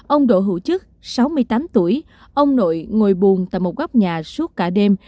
ông đỗ hữu chứ sáu mươi tám tuổi ông nội ngồi buồn tại một góc nhà suốt cả đêm